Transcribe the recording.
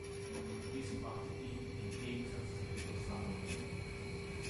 Dies brachte ihn in Gegensatz zu Bischof Salomo.